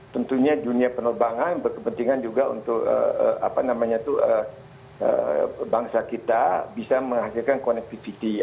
tentunya dunia penerbangan berkepentingan juga untuk bangsa kita bisa menghasilkan connectivity